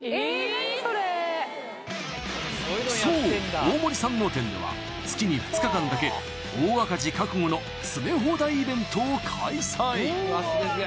何それそう大森山王店では月に２日間だけ大赤字覚悟の詰め放題イベントを開催